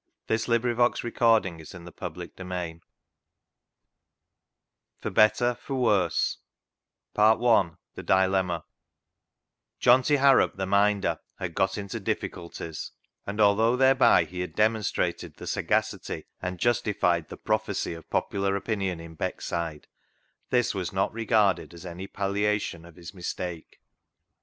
For Better, for Worse I The Dilemma It For Better, for Worse I The Dilemma JOHNTY Harrop the " Minder " had got into difficulties, and although thereby he had demonstrated the sagacity and justified the prophecy of popular opinion in Beckside, this was not regarded as any palliation of his mistake.